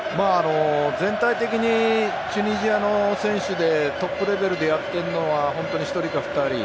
全体的にチュニジアの選手でトップレベルでやっているのは１人か２人。